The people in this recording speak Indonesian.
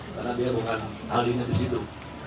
karena dia bukan halinya di situ